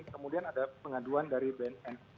kemudian ada pengaduan dari bnn